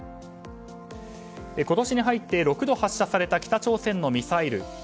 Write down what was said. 今年に入って６度発射された北朝鮮のミサイル。